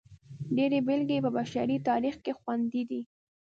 ډېرې بېلګې یې په بشري تاریخ کې خوندي دي.